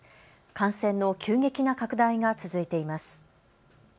感染の急激な拡大が続いています。